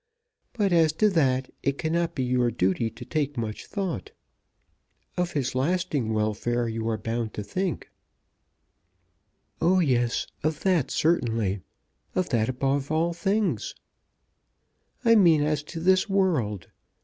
But as to that, it cannot be your duty to take much thought. Of his lasting welfare you are bound to think." "Oh, yes; of that certainly; of that above all things." "I mean as to this world.